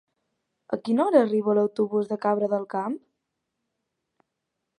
A quina hora arriba l'autobús de Cabra del Camp?